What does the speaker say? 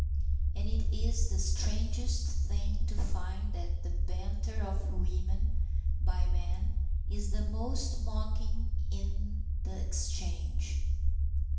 And it is the strangest thing to find that the banter of women by men is the most mocking in the exchange.